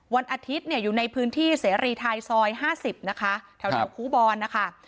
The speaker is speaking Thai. วันอาทิตย์อยู่ในพื้นที่เศรีทายซอย๕๐นะค่ะแถวแถวคูบวรนะค่ะ